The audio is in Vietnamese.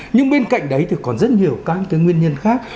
nhưng bên cạnh đấy thì còn rất nhiều các cái nguyên nhân khác